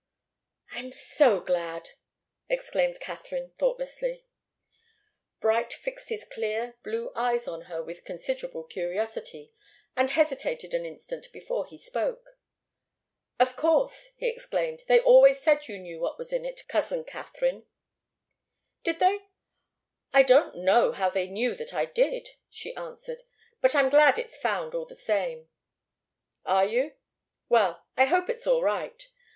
"I'm so glad!" exclaimed Katharine, thoughtlessly. Bright fixed his clear, blue eyes on her with considerable curiosity, and hesitated an instant before he spoke. "Of course!" he exclaimed. "They always said you knew what was in it, cousin Katharine." "Did they? I don't know how they knew that I did," she answered. "But I'm glad it's found, all the same." "Are you? Well I hope it's all right.